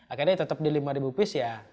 akhirnya tetap di lima ribu piece ya